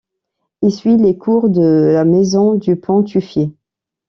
Il suit les cours de la Maison Dupont-Tuffier.